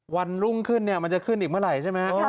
วันรุ่งขึ้นเนี่ยมันจะขึ้นอีกเมื่อไหร่ใช่ไหม